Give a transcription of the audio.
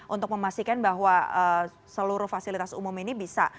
untuk memastikan bahwa seluruh fasilitas umum ini bisa